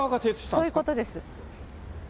そういうことです。